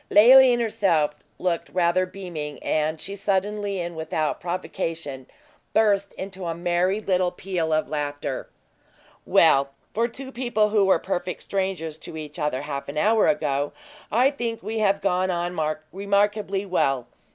Leoline herself looked rather beaming; and she suddenly, and without provocation, burst into a merry little peal of laughter. "Well, for two people who were perfect strangers to each other half an hour ago, I think we have gone on remarkably well.